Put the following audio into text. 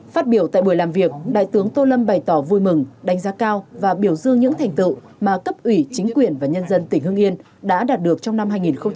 phát biểu tại buổi làm việc đại tướng tô lâm bày tỏ vui mừng đánh giá cao và biểu dương những thành tựu mà cấp ủy chính quyền và nhân dân tỉnh hương yên đã đạt được trong năm hai nghìn một mươi tám